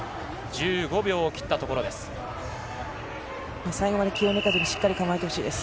１５秒切ったところです。